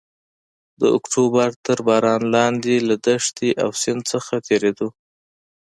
د اکتوبر تر باران لاندې له دښتې او سیند څخه تېرېدو.